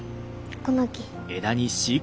この木。